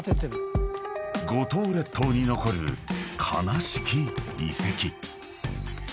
［五島列島に残る悲しき遺跡］